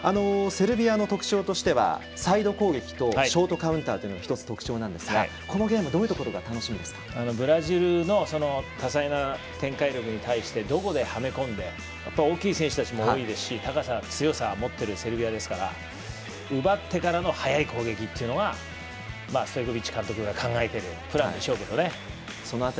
セルビアの特徴はサイド攻撃とショートカウンター１つ、特徴なんですがこのゲームどういうところがブラジルの多彩な展開力に対してどう、はめ込んで大きい選手たちも多いですし高さと強さを持っているセルビアですから奪ってからの速い攻撃っていうのはストイコビッチ監督が考えていることだと思いますね。